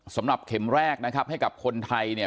สำหรับเข็มแรกนะครับให้กับคนไทยเนี่ย